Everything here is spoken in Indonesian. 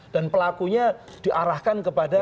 dan pelakunya diarahkan kepada